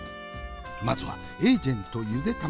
まずはエージェントゆで卵。